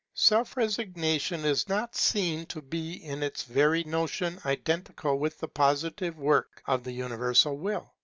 Self resignation is not seen to be in its very notion identical with the positive work of the universal will.